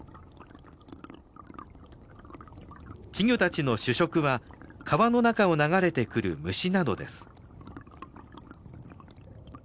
稚魚たちの主食は川の中を流れてくる虫などです。